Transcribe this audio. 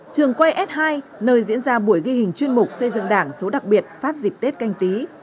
trường quay s hai nơi diễn ra buổi ghi hình chuyên mục xây dựng đảng số đặc biệt phát dịp tết canh tí